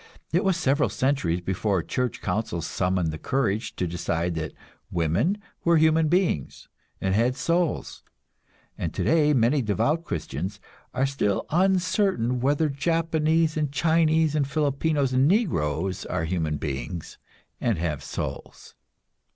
It was several centuries before a church council summoned the courage to decide that women were human beings, and had souls; and today many devout Christians are still uncertain whether Japanese and Chinese and Filipinos and Negroes are human beings, and have souls.